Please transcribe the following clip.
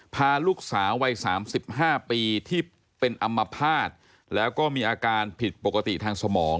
พาลูกสาววัย๓๕ปีที่เป็นอัมพาตแล้วก็มีอาการผิดปกติทางสมอง